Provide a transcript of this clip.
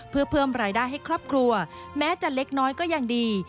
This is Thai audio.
เพื่อเพิ่มรายได้ให้ครอบครัวแม้จะเล็กน้อยก็ยังดี